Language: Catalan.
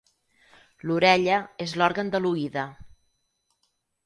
L'orella és l'òrgan de l'oïda.